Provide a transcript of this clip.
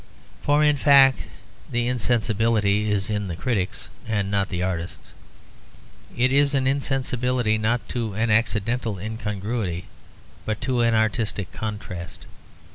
For in fact the insensibility is in the critics and not the artists. It is an insensibility not to an accidental incongruity but to an artistic contrast.